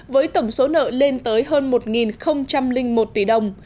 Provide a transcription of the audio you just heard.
với tổng số nợ lên tới hơn một một tỷ đồng